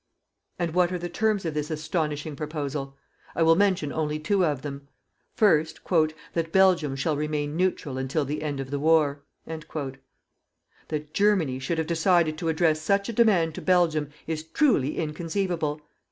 And what are the terms of this astonishing proposal? I will mention only two of them. First: "THAT BELGIUM SHALL REMAIN NEUTRAL UNTIL THE END OF THE WAR." That Germany should have decided to address such a demand to Belgium is truly inconceivable.